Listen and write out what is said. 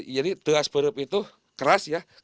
jadi teas perup itu keras ya